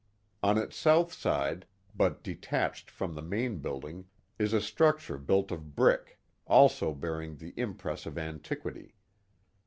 On its south side, but de tached from the main building, is a structure built of brick, also bearing the impress of antiquity.